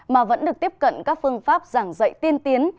mà vẫn được tiếp cận các phương pháp giảng dạy tiên tiến